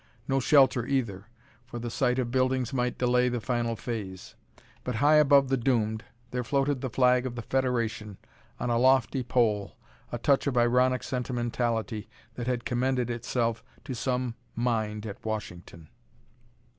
No shelter either, for the sight of buildings might delay the final phase. But high above the doomed there floated the flag of the Federation, on a lofty pole, a touch of ironic sentimentality that had commended itself to some mind at Washington.